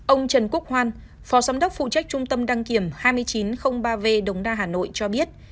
ông trần quốc hoan phó giám đốc phụ trách trung tâm đăng kiểm hai nghìn chín trăm linh ba v đống đa hà nội cho biết